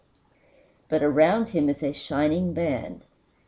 But around him is a shining band.